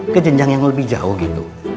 ke jenjang yang lebih jauh gitu